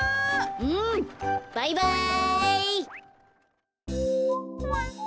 うんバイバイ！